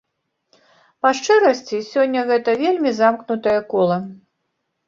Па шчырасці, сёння гэта вельмі замкнутае кола.